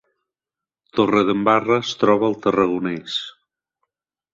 Torredembarra es troba al Tarragonès